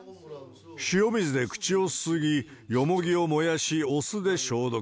塩水で口をすすぎ、ヨモギを燃やし、お酢で消毒。